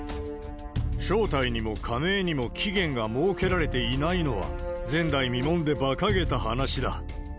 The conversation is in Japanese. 招待にも加盟にも期限が設けられていないのは、前代未聞でばかげた話だ。